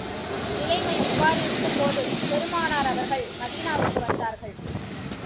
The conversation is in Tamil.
நிலைமை இவ்வாறு இருக்கும் போது, பெருமானார் அவர்கள் மதீனாவுக்கு வந்தார்கள்.